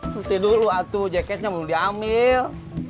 suti dulu atuh jaketnya belum diambil